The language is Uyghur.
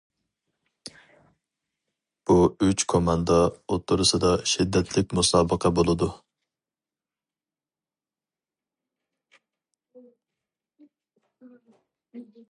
بۇ ئۈچ كوماندا ئوتتۇرىسىدا شىددەتلىك مۇسابىقە بولىدۇ.